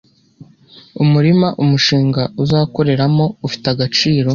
umurima umushinga uzakoreramo ufite agaciro